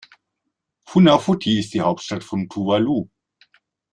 Funafuti ist die Hauptstadt von Tuvalu.